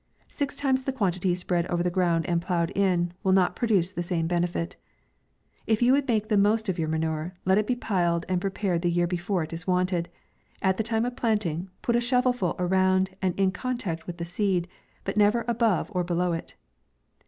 Six times the quantity spread over the ground and ploughed in, will not produce the same benefit. If you would make the most of your manure, let it be piled and prepared the year before it is wanted ; at the time of planting, put a shovel full around, and in con tactwiththe seed, butneitherabove norbelow it.